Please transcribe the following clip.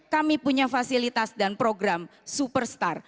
kami punya fasilitas dan program superstar